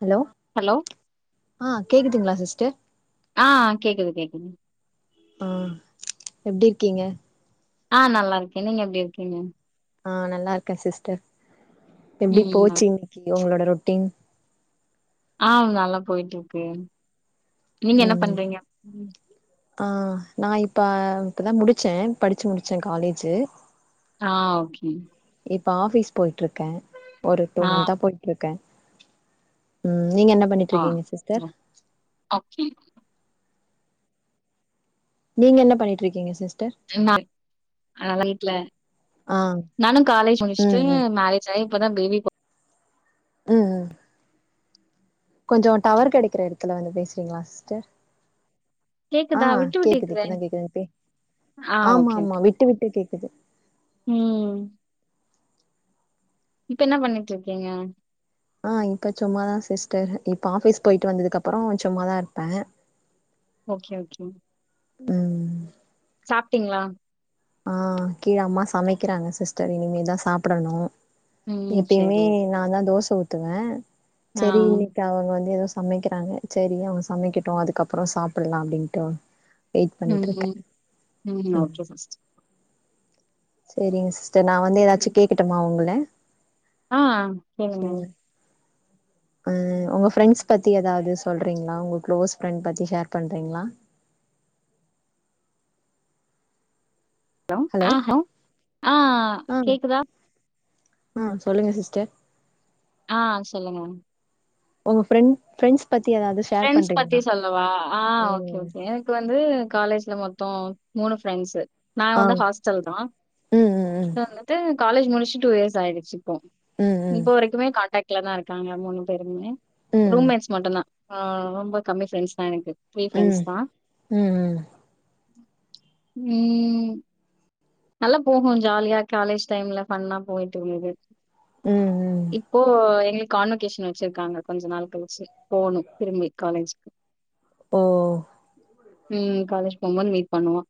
Hello hello ஆ கேக்குதுங்களா sister ஆ கேக்து கேக்து ஆ எப்டி இருக்கீங்க ஆ நல்லாருக்கே நீங்க எப்டி இருக்கீங்க ஆ நல்லா இருக்கே சிஸ்டர் எப்டி போச்சி ம் இன்னிக்கு ஒங்களோட ரொட்டின் ஆ நல்லா பொயிட்ருக்கு நீங்க என்ன ம் பண்றீங்க ஆ நா இப்ப இப்பதா முடிச்சே படிச்சி முடிச்சே காலேஜு ஆ ஓகே இப்ப ஆபீஸ் பொய்ட்ருக்கே ஒரு டூ ஆ மன்தா பொய்ட்ருக்கே ம் நீங்க என்னா ஆ. பண்ணிட்ருக்கீங்க சிஸ்டர் ஓகே நீங்க என்ன பண்ணிட்டு இருக்கீங்க சிஸ் [unintelligible] அதா வீட்ல ஆ நானு காலேஜ் ம் முடிச்சுட்டு ம் ம் மேரேஜ் ஆயி இப்பதா பேபி பொற ம் கொஞ்ச டவர் கெடைக்கிற எடத்துல வந்து பேசுறீங்களா சிஸ்டர் ஆ கேக்குதா விட்டு விட்டு கேக்குது கேக்குதே இப்பதா கேக்குது இப்பி ஆ ஆமா ஓகே ஆமா ஓகே விட்டு விட்டு கேக்கு குது ம் இப்ப என்ன பண்ணிட்டு இருக்கீங்க ஆ இப்ப சும்மாதா சிஸ்டர் இப்ப ஆஃபிஸ் போயிட்டு வந்ததுக்கு அப்பறோ சும்மாதா இருப்பே ஓகே ஓகே ம் சாப்டீங்களா ஆ கீழ அம்மா சமைக்கிறாங்க சிஸ்டர் இனிமேதா சாப்புடணு ம் எப்பயுமே செரி நா தா தோச ஊத்துவே ஆ செரி இன்னைக்கு அவங்க வந்து ஏதோ சமக்கிறாங்க செரி அவங்க சமைக்கட்டு அதுக்கப்பறோ சாப்டலா அப்டின்ட்டு வெயிட் ம் பண்ணிட்டுருக்கே ம் ம் ஓகே சிஸ்டர் செரிங்க சிஸ்டர் நா வந்து ஏதாச்சு ம். கேக்கட்டுமா உங்கள ஆ கேளுங்க ம் உங்க ஃப்ரெண்ட்ஸ் பத்தி ஏதாவது சொல்றீங்ளா உங்க க்ளோஸ் ஃப்ரெண்ட் பத்தி ஷேர் பண்றீங்களா ஹலோ ஆ ஆ ஆ கேக்குதா ஆ சொல்லுங்க சிஸ்டர் ஆ சொல்லுங்க உங்க ஃப்ரெண்ட் ஃப்ரெண்ட்ஸ் பத்தி ஏதாவது ஷேர் ஃப்ரென்ட்ஸ் பண்றீங்களா பத்தி சொல்லவா ஆ ஓகே ம் கே எனக்கு வந்து காலேஜ்ல மொத்த மூணு ஃப்ரெண்ட்ஸு நா ஆ வந்து ஹாஸ்டல் தா ம் ம் வந்துட்டு காலேஜ் முடிச்சு டூ இயர்ஸ் ஆயிடுச்சு ம் ம் இப்ப வரக்குமே கான்டட்ல தா இருக்காங்களா மூணு பேருமே ம் ரூம்மேட்ஸ் மட்டுதா ஆ ரொம்ப கம்மி ஃப்ரெண்ட்ஸ் தா எனக்கு த்ரீ ஃப்ரெண்ட்ஸ் ம் தா ம் ம் ம் நல்ல போகும் ஜாலியா காலேஜ் டைம்ல ஃபண்ணா போய்ட்டு இருந்தது ம் ம் இப்போ எங்ளுக் கான்வகேஷன் வெச்சிர்க்காங்க கொஞ்ச நாள் கழிச்சி போணு திரும்பி காலேஜ்க் ஓ ம் காலேஜ் போம்போது மீட் பண்லா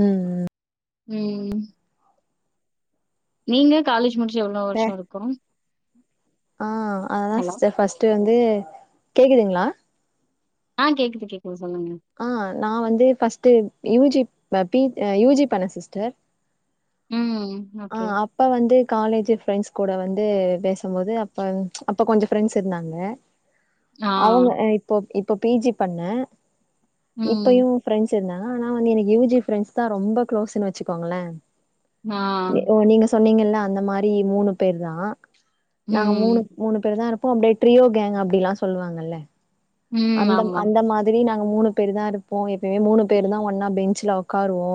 ம் ம் ம் நீங்க காலேஜ் முடிச்சி எவ்ளோ வே வருஷொ இர்க்கு ஆ அததான் சிஸ்டர் ஃபர்ஸ்ட்டு வந்து கேக்குதுங்ளா ஆ கேக்குது கேக் ஆ நா வந்து ஃபர்ஸ்ட்டு யூஜி பி யூஜி பண்ண சிஸ்டர் ம் ஆ ஓகே. அப்ப வந்து காலேஜ் ஃப்ரெண்ட்ஸ் கூட வந்து பேசும் போது அப்ப அப்ப கொஞ்ச ஃப்ரெண்ட்ஸ் இருந்தாங்க ஆ. அவங்க இப்பொ இப்பொ பீஜி பண்ண ம். இப்பயு ஃபிரண்ட்ஸ் இருந்தாங்க ஆனா வந்து எனக் யூஜி ஃபிரெண்ட்ஸ் தா ரொம்ப க்ளோஸுனு வெச்சிக்கோங்களே ஆ. நெ ஓ நீங்க சொன்னீங்கில்ல அந்த மாரி மூணு பேர் தா நாங்க மூணு ம். மூணு பேர் தா இர்ப்போ அப்டே ட்ரியோ கேங் அப்டில்லா சொல்வாங்கல்ல ம். அந்தம் ஆமா. அந்த மாதிரி நா ங்க மூணு பேரு தா இருப்போ எப்புமே மூணு பேருதா ஒன்னா பெஞ்ச்ல உக்காருவோ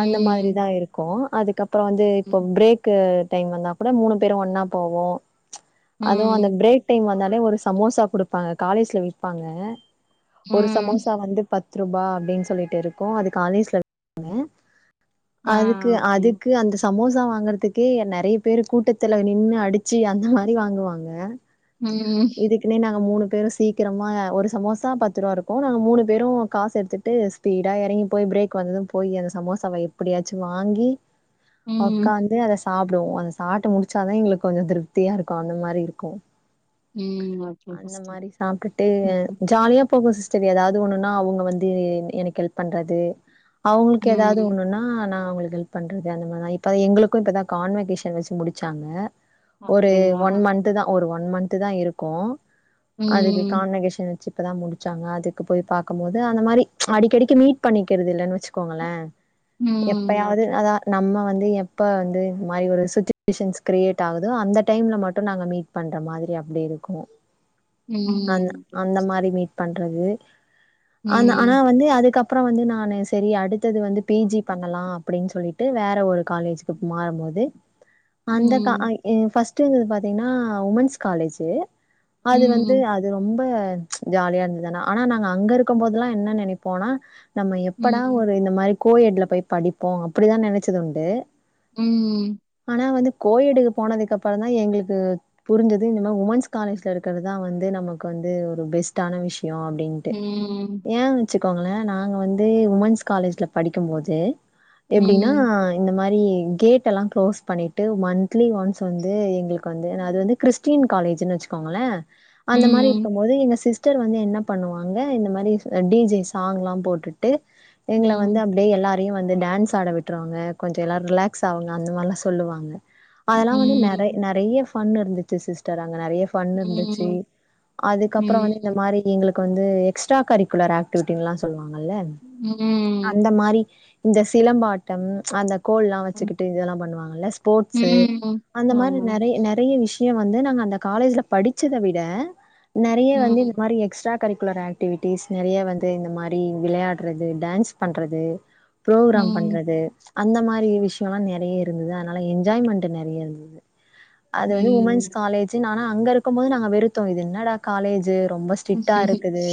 அந்த மாதிரிதா இருக்கு அதுக்கப்புற வந்து ம். இப்பொ பிரேக்கு டைம் வந்தா கூட மூணு பேரு ஒன்னா போவோ அதுவு ம். அந்த பிரேக் டைம் வந்தா லெ ஒரு சமோசா குடுப்பாங் காலேஜ்ல் விப்பாங்க ஒரு ம். சமோசா வந்து பத் த்துரூபா அப்டின் சொல்லிட்டு இருக்கு அது காலேஜ்ல ங்க ஆ அதுக்கு ஓகே. அதுக்கு அந்த சமோசா வாங்கற்துக்கே என் நெறைய பேரு கூட்டத்துல நின்னு அடிச் ச்சி அந்த மாரி வாங்குவாங்க ம். இதுக்குனே நாங்க மூணு பேரு சீ கிரமா ஒரு சமோசா பத்து ருவா இருக்கு நாங்க மூணு பேரு காஸ் எடுத்துட்டு ஸ்பீடா எறங்கி போய் பிரேக் வந் போயி அந்த சமோசாவ எப்பிடியாச்சு வாங்கி ம். உக்காந்து அத சாப்டுவோம் அந்த சாப்ட்டு முடிச்சாதான் எங்ளுக்கு கொஞ்சம் திருப்தியா இருக்கும் அந்த மாரி இருக்கும் ம் அ பஸ்ட்டு அங்குட்டு ஜால்யா போக சிஸ்டர் ஏதாவது ஒண்ணுன்னா அவ்ங்க வந்து எ எனக் கெல்ப் பண்றது அவங்ளுக்கு ஏதாவது ம். ஒண்ணுன்னா நா அவங்களுக் ஹெல்ப் பண்றது அந்த மாரிதா இப்ப எங்களுக்கு இப்பதா கான்வகேஷன் வெச்சி முடிச்சாங்க ஒரு அப்படிங்களா? ஒன் மந்த்துதா ஒரு ஒன் மந்த்துதா இருக்கு அதுக்கு ம். கான்வகேஷன் வெச்சி இப்பதா முடிச்சாங்க அதுக்கு போய் பாக்கும் போது அந்த மாரி அடிக்கெடிக்கு மீட் பண்ணிக்கிறது இல்லன் வெச்சுக்கோங்களே ம். எப்பயாவது ஓகே. அதா நம்ம வந் எப்ப வந்து இந்மாரி ஒரு சுச்சிவேஷன்ஸ் கிரியேட்டாவுதோ அந்த டைம்ல மட்டு நாங்க மீட் பண்ற மாதிரிய ப்டி இருக்கு அந் ம். ஓகே. அந்தமாரி மீட் பன் றது ஆன ஆனா ம். வந்து அதுக்கப் பற வந்து நானு செரி அடுத்தது வந்து பீஜி பண்ணலா அப்டின் சொல்லிட்டு வேற ஒரு காலேஜிக்கு மாறும்போது அந்த கா ஆ ம். இ ஃபஸ்ட்டு பாத்தீங்னா உமன்ஸ் காலேஜ் அது வந் ம். அது ரொம்ப ஜாலியா இருந்தது ஆனா ஆனா நாங்க அங்க இருக்கும்போதுல்லா என்ன நெனப்போனா நம்ம எப்படா ம். ஒரு இந்த மாரி கோயெட்ல பொய் படிப்போ அப்டிதா நெனச்சதுண்டு ம் நா வந்து கோயெடுக்கு போனதுக்கப்புறந்தா எங்குளுக்கு புரிஞ்சது இந்த மா உமன்ஸ் காலேஜ்ல இருக்கறத் தா வந்து நமக்கு வந்து ஒரு பெஸ்டான விஷ்யு அப்டின்ட்டு ம். ஏ வச்சுக் க்கோங்ளே நாங்க வந்து உமன்ஸ் காலேஜ்ல படிக்கும்போது எப்டின்னா ம். இந்த மார் ரி கேட் எல்லா க்ளோஸ் பண்ணிட்டு மந்த்லி ஒன்ஸ் வந்து எங்ளுக்கு வந்து அது ம், வந்து கிறிஸ்டின் காலேஜ்னு வச்சுக்கோங்களே அந்த மாரி ம், இருக்கும் போது எங்க சிஸ் டர் வந்து என்ன பண்ணுவாங்க இந்த மாதிரி டிஜே சாங்லா போட்டுட்டு எங்கள வந்து ம், அப்படியே எல்லா ரயு வந்து டான்ஸ் ஆட விட்டுருவாங்க கொஞ்ச எல்லாரு ரிலாக்ஸ் ஆகுங்க அந்த மாரிலா சொல்லுவாங்க அதெல்லா வந்து நெற ம், நெறைய பன் இருந்துச்சு சிஸ்டர் அங்க நெறைய பன் இருந்துச்சு சேரி ம், அதுக்கப்புற வந்து இந்த ம், மாரி எங்களுக்கு வந்து எக்ஸ்ட்ரா கரிக்குலர் ஆக்டிவிட்டின்லா சொல்லுவா ங்கல்ல அந்த மாரி இந்த சிலம்பாட்டம் அந்த கோல்லா வச்சுக்கிட்டு இதெல்லா பண்ணுவாங்கல்ல ஸ்போர்ட்சு ம். அந்த மாரி ஆமா. நெறைய நெறைய விஷய ன் வந்து நாங்க அந்த காலேஜ்ல படிச்சத விட நெறய ம், வந்து இந்த மாரி எக்ஸ்ட்ரா கரிக்குலர் ஆக்டிவிட்டிஸ் நெறைய வந்து இந்த மாரி விளையாடுறது டான்ஸ் பண்றது ப்ரோக்ராம் ம், பண்றது அந்த மாரி விஷயம்லா நெறைய இருந்தது அதனால என்ஜாய்மெண்ட்டு நெறைய இருந்தது ம். அது ம், வந்து உமன்ஸ் ம், ம். காலேஜ் ஆனா அங்க இருக்கும் போது நாங்க வெறுத்தோ இது என்னடா காலேஜு ரொம்ப ம், ஸ்ட்ரிக்டா ஆமா. இருக்குது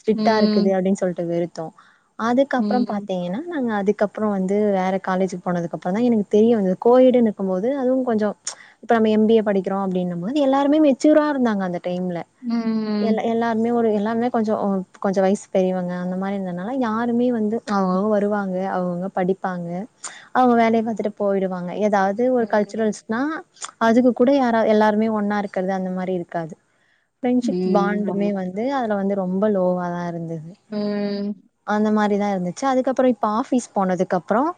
ஸ்ட்ரிக்டா இருக்குது ம், அப்படின்னு சொல்லிட்டு வெறுத்தோ அதுக்கப்புற பாத்தீங்கன்னா நாங்க அதுக் கப்றோ வந்து வேற காலேஜ் போனதுக்கு அப்பறந்தா எனக்கு தெரிய வந்தது கோயிடுனு இருக்கும்போது அதுவு கொஞ்ச நம்ம எம் பி ஏ படிக்கிறோ அப்படின்னும்போது எல்லாருமே மெச்சுரா இருந்தாங்க அந்த டைம்ல எல்ல எல்லாருமே ஒரு எல்லாமே கொஞ்ச கொஞ்ச வயசு பெரியவங்க அந்த மாரி இருந்ததுனாலா யாருமே வந்து அவங்க அவங்க வருவாங்க அவுங்க அவங்க படிப்பாங்க அவங்க வேலையை பார்த்துட்டு போயிடுவாங்க ஏதாவது ஒரு ம், ம். கல்ச்சுரல்ஸ்னா அதுக்கு கூட யாரா எல்லாருமே ஒன்னா இருக்கிறது அந்த மாரி இருக்காது ஃப்ரெண்ட்ஷிப் பாண்டுமே வந்து அதுல வந்து ரொம்ப லோவா தான் இருந்தது ம் அப்டிதான் இருந்துச்சு அதுக்கப்புறம் இப்ப ஆபீஸ் போனதுக்கு அப்புறம்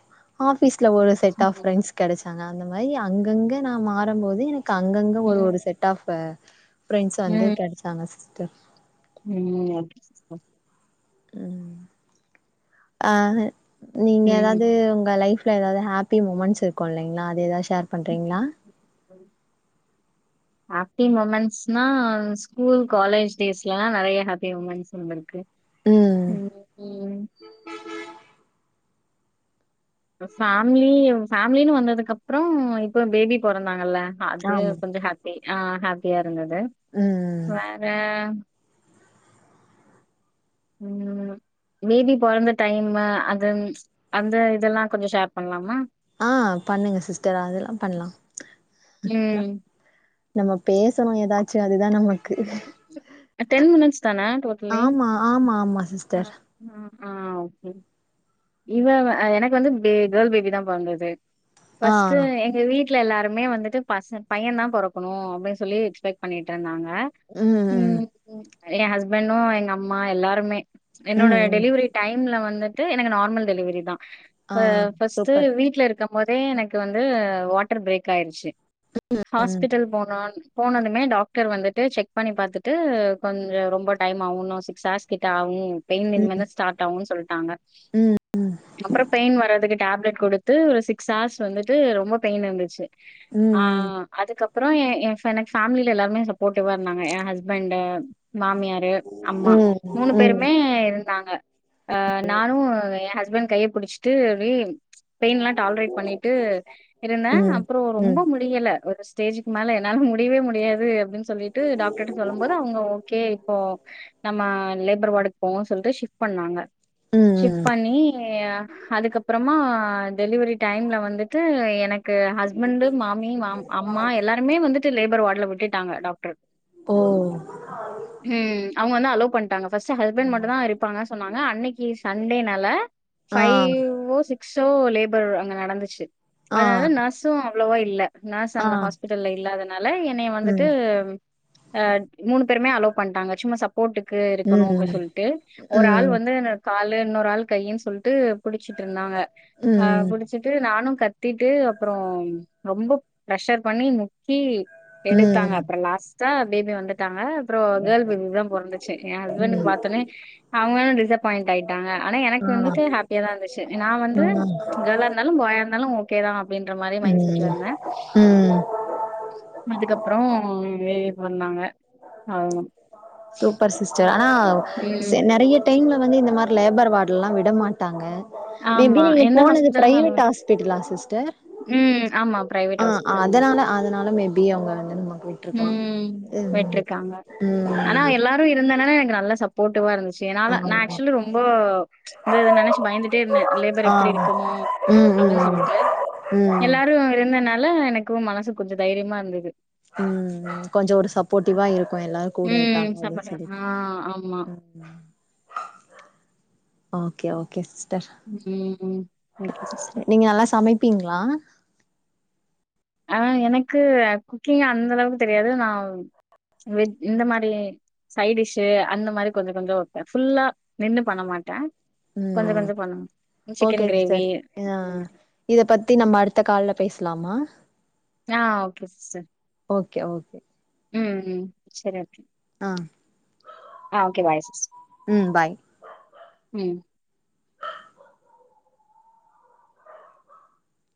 ஆபிஸ் ஒரு செட் ஆஃப் பிரெண்ட்ஸ் கிடைச்சாங்க அந்த மாதிரி அங்கங்க நான் மாறும்போது எனக்கு அங்கங்க ஒரு ஒரு செட் ஆப் ஃபிரண்ட்ஸ் வந்து கிடைச்சாங்க சிஸ்டர் ம் ஆ நீங்க ம். ஏதாவது உங்க லைஃப் ல ஏதாவது ஹாப்பி மூமெண்ட்ஸ் இருக்கும் இல்லைங்களா அது ஏதாவது ஷேர் பண் றிங்களா ஹாப்பி முமெண்ட்ஸ் நா ஸ்கூல் காலேஜ் டேஸ்லலா நறைய ஹாப்பி முமெண்ட்ஸ் வந்திருக்கு ம் ம் பேமிலி பேமிலினு வந்ததுக்கு அப்புறம் இப்ப பேபி பொறந்தாங்கல்ல அது ஆமா கொஞ்சம் ஹாப்பி ஆ ஹாப்பியா இருந்தது ம் வேற ம் பேபி பொறந்த டைமு அது அந்த இதெல்லா கொஞ்சம் ஷேர் பண்ணலாமா ஆ பண்ணுங்க சிஸ்டர் அதெல்லா பண்லா ம் நம்ம பேசணு ஏதாச்சு அதுதான் நமக்கு டென் மினிட்ஸ் தான டோட்டலி ஆமா ஆமா ஆமா ஆ சிஸ்டர் ஆ ஒகே இவ எனக்கு வந்து கேள் பேபி தான் பொறந்தது ஆ ஃபர்ஸ்ட்டு எங்க வீட் வீட்ல எல்லாருமே வந்துட்டு பச பையன் தான் பொறக்கணும் அப்படின்னு சொல்லி எக்ஸ்பெக்ட் பண்ணிட்டு இருந்தாங்க ம் எ ஹஸ்பண்டு எங்க அம்மா எல்லாருமே என்னோட ம் ம் டெலிவரி டைம்ல வந்துட்டு எனக்கு நார்மல் டெலிவரி தான் ஆ ஃபர்ஸ்ட்டு சூப்பர் வீட்ல இருக்க முதே எனக்கு வந்து வாட்டர் பிரேக் ஆயிருச்சு ம் ஹாஸ்பிட்டல் போனோ போனதுமே டாக்டர் வந்துட்டு செக் பண்ணி பார்த்துட்டு கொஞ்ச ரொம்ப டைம் ஆவூ சிக்ஸ் ஹவர்ஸ் கிட்ட ஆவூ பெயின் இனிமேல் ம் தான் ஸ்டார்ட் ஆகு சொல்லிட்டாங்க ம் அப்புறம் பெயின் வர் அதுக்கு டேப்லட் கொடுத்து சிக்ஸ் ஹவர்ஸ் வந்துட்டு ரொம்ப பெயிண்இருந்துச்சு ஆ ம் அதுக்கப்புற அப்புறம் என் எனக்கு ஃபேமில எல்லருமே சப்போர்ட்டிவா இருந்தாங்க என் ஹஸ்பண்ட்டு மாமியாரு ம் அம்மா ம் மூணு ம் பேருமே இருந்தாங்க அ நானு ஹஸ்பண்ட் கைய புடிச்சிட்டு வே பெயின் எலாம் டாலரேட் பண்ணிட்டு இருந்தேன் ம் அப்புறம் ரொம்ப ம் முடியல ஒரு ஸ்டேஜ் ஸ்டேஜிக்கு மேல என்னால முடியவே முடியாது அப்படினு சொல்லிட்டு டாக்ட சொல்லும்போது அவங்க ஓகே இப்போ நம்ம லெப் [unintelligible] வார்டுக்கு போவோ ஷிப் பண்ணாங்க ம் பண்ணி ஆ அதுக்கப்புறமா டெலிவரி டைம்ல வந்துட்டு எனக்கு ஹஸ்பண்ட்டு மா மா அம்மா எல்லாருமே வந்துட்டு லேபர் வார்டுல விட்டுட்டாங்க டாக்ட்ரு ஓ ம் அவங்க வந்து அலோ பண்ட்டாங்க ஃபர்ஸ்ட் ஹஸ்பண்ட் மட்டும் தான் இருப்பாங்க சொன்னாங்க அன்னைக்கு சண்டே நால ஆ ஃபைவோ சிக்ஸோ லேபர் அங்க நடந்துச்சு ஆ அதனால நர்ஸும் அவ்வளவா இல்ல நர்ஸ் ஆ அங்க ஹாஸ்பிட்டல்ல இல்லாதனால என்னைய வந்துட்டு ம் ஆ மூணு பேருமே அலோ பண்ட்டாங்க சும்மா சப் போட்டுக்கு இருக்கணு அப்படின்னு ம் சொல்லிட்டு ஒரு ஆள் ம் வந்து கால இன்னொரு ஆள் கை ன் சொல்ட்டு புடிச்சிட்டு இருந்தாங்க ஆ ம் புடிச்சிட்டு நானும் கத் த்திட்டு அப்புறம் ரொம்ப ஃபிரஷர் பண்ணி முக்கி எடுத்தாங்க ம் அப்பறோ லாஸ்ட்டா பேபி வந்துட் டாங்க அப்பறோ கேர்ள் பேபி தா பொறந்துச்சி ஏ ஹஸ்பண்ட் ம் பாத்தோனே அவுங்களு டிசப்பாயிண்ட் ஆயிட்டாங்க ஆனா எனக்கு ஆ வந்துட்டு ஹேப்பியா தா இருந்துச்சி நா வந்து ஆ கேர்ளா இருந்தாலு பாயா இருந்தாலு ஓகே தா அப்டின்ற மாரியே மைண்ட் செட்ல ம் இருந்தே ம் அதுக்கப்பறோ வே வே பண்ணாங்க அவுங் சூப்பர் சிஸ்டர் ஆனா சே நெறைய டைம்ல வந்து இந்த மாரி லேபர் வார்ட்லல்லா விட மாட்டாங்க மே பி ஆமா நீங்க எந்த போனது ஹாஸ்பிட்டலும் பிரைவேட் ஹாஸ்பிட்டலா சிஸ்டர் ம் ஆமா பிரைவேட் ஆ ஹாஸ்பிட்டல் அதனால அதனால மேபி அவங்க வந்து நமக்கு விட்ருக்கலா ம் ம் விட்டுருக்காங்க ஆனா ம் எல்லாரு இருந்தனனே நல்ல சப்போர்ட்டிவா இருந்துச்சி என்னால நா ஆமா ஆக்சுவலி ரொம்போ இத நெனச்சி பயந்துட்டே இருந்தே லேபர் ஆ எப்டி இருக்குமோ ம் ம் அப்டின் ம் சொல்லிட்டு ம் எல்லாரு இருந்தனால எனக்கு மனசுக்கு கொஞ்சோ தைரியமா இருந்தது ம் கொஞ்சோ ஒரு சப்போர்ட்டிவா இருக்கு எல்லாரு கூட ம். இருக்காங்க அப்டின் சாப்பாடு. ஆ சொல்லிட்டு ஆமா. ம் ஓகே ஓகே சிஸ் ம். Okay sister. நீங்க நல்லா சமைப்பீங்களா ஆ எனக்கு குக்கிங் அந்த அளவுக்கு தெரியாது நா வெஜ் இந்த மாரி சை டிஷ் அந்த மாரி கொஞ்சோ கொஞ்சோ வப்பே ஃபுல்லா நின்னு பண்ண மாட்டே கொஞ்சோ ம் கொஞ்சோ பண்ணுவே ஓகே சிஸ்டர் ஆ இத பத்தி நம்ம அடுத்த கால்ல பேசலாமா ஆ ஓகே சிஸ்டர் ஓகே ஓகே ம் செரி அப் ஆ ஆ ஓகே பாய் சிஸ் ம் பாய் ம்